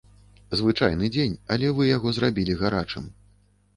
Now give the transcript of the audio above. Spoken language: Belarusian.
Звычайны дзень, але вы яго зрабілі гарачым.